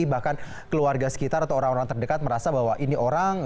bahkan keluarga sekitar atau orang orang terdekat merasa bahwa ini orang